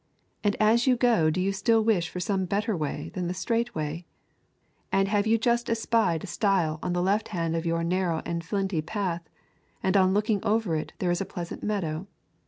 And as you go do you still wish for some better way than the strait way? And have you just espied a stile on the left hand of your narrow and flinty path, and on looking over it is there a pleasant meadow?